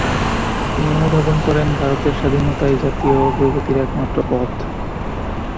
তিনি অনুধাবন করেন- ভারতের স্বাধীনতাই জাতীয় অগ্রগতির একমাত্র পথ।